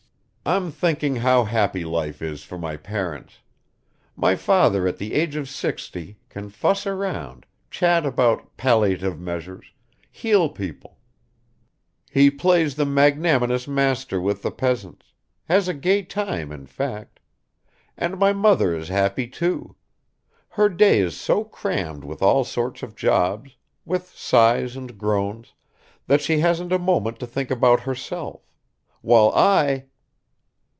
"I'm thinking how happy life is for my parents! My father at the age of sixty can fuss around, chat about 'palliative measures,' heal people; he plays the magnanimous master with the peasants has a gay time in fact; and my mother is happy too; her day is so crammed with all sorts of jobs, with sighs and groans, that she hasn't a moment to think about herself; while I...